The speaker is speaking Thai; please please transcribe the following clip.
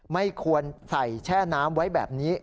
ไม่ควรใส่แช่น้ำไว้แบบนี้